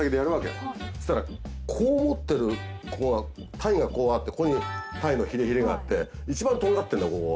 そしたらこう持ってる鯛がこうあってここに鯛のヒレヒレがあって一番とんがってんのここ。